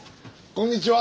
こんにちは。